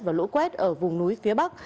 và lũ quét ở vùng núi phía bắc